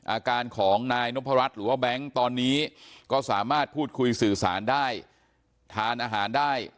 อาการของนายนพรัชหรือว่าแบงค์ตอนนี้ก็สามารถพูดคุยสื่อสารได้ทานอาหารได้